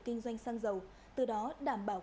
kinh doanh xăng dầu từ đó đảm bảo